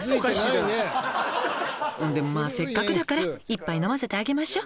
「でもまあせっかくだから１杯飲ませてあげましょ」